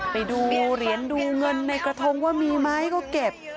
ไปดูเหรียญดูเงินในกระทงว่ามีไหมก็เก็บ